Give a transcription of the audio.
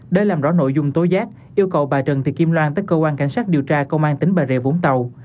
để làm rõ nội dung tối giác yêu cầu bà trần thị kim loan tới cơ quan cảnh sát điều tra công an tỉnh bà rịa vũng tàu